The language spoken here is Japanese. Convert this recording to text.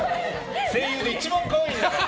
声優で一番可愛いんだから。